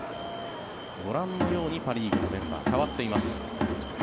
ご覧のようにパ・リーグのメンバー変わっています。